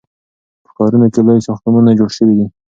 په ښارونو کې لوی ساختمانونه جوړ سوي دي.